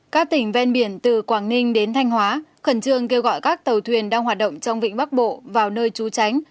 các tỉnh ven biển từ quảng ninh đến thanh hóa khẩn trương kêu gọi các tàu thuyền đang hoạt động trong vịnh bắc bộ vào nơi trú tránh